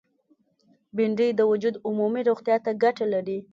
بېنډۍ د وجود عمومي روغتیا ته ګټه لري